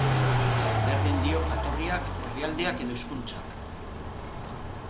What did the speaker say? Berdin dio jatorriak, herrialdeak edo hizkunztak.